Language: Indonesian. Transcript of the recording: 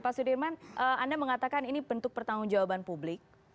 pak sudirman anda mengatakan ini bentuk pertanggung jawaban publik